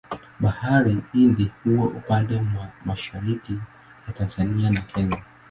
Bahari Hindi huwa upande mwa mashariki ya Tanzania na Kenya.